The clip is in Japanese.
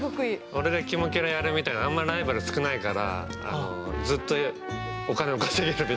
俺がキモキャラやるみたいなあんまライバル少ないからずっとお金を稼げるみたいな。